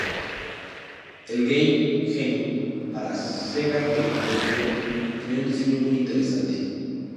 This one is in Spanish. El Game Genie para Sega Game Gear tenía un diseño muy interesante.